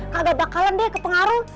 kagak bakalan deh ke pengaruh